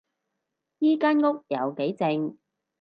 依間屋有幾靜